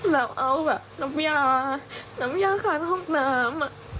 เราเอาแบบน้ำยาน้ำยาคาในห้องน้ำ